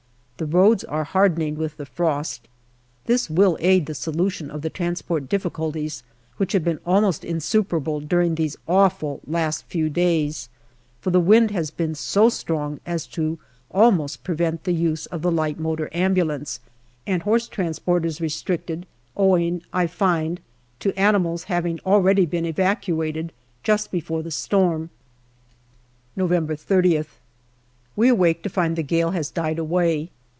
The roads are hardening with the frost. This will aid the solution of the transport difficulties, which have been almost insuperable during these awful last few days, for the wind has been so strong as to almost prevent the use of the light motor ambulance, and horse transport is restricted, owing, I find, to animals having already been evacuated just before the storm. 280 GALLIPOLI DIARY November 30th. We awake to find the gale has died away.